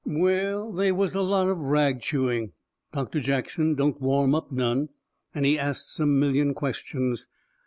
Well, they was a lot of rag chewing. Doctor Jackson don't warm up none, and he asts a million questions.